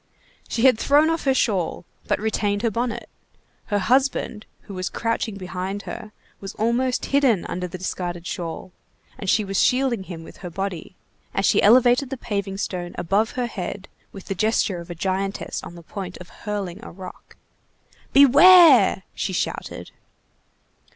She had thrown off her shawl, but retained her bonnet; her husband, who was crouching behind her, was almost hidden under the discarded shawl, and she was shielding him with her body, as she elevated the paving stone above her head with the gesture of a giantess on the point of hurling a rock. "Beware!" she shouted.